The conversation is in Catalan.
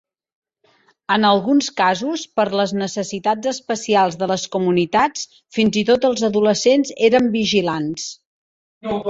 En alguns casos, per les necessitats especials de les comunitats, fins i tot els adolescents eren vigilants.